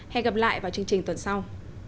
hẹn gặp lại vào chương trình tuần sau